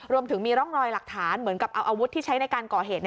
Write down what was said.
รวมถึงมีร่องรอยหลักฐานเหมือนกับเอาอาวุธที่ใช้ในการก่อเหตุ